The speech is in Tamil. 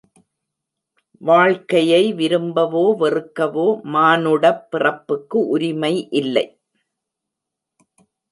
வாழ்க்கையை விரும்பவோ, வெறுக்கவோ மானுடப் பிறப்புக்கு உரிமை இல்லை!